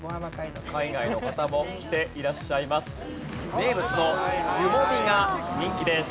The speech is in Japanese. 名物の湯もみが人気です。